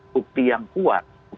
bukti yang kuat